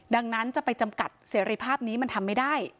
ดังนั้นจะไปจำกัดเสรีภาพนี้มันทำไม่ได้